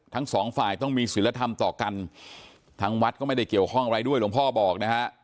ทั้งสองฝ่ายต้องมีศิลธรรมต่อกันทางวัดก็ไม่ได้เกี่ยวข้องอะไรด้วยหลวงพ่อบอกนะฮะ